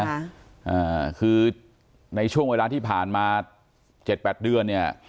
อ่าคือในช่วงเวลาที่ผ่านมาเจ็ดแปดเดือนเนี้ย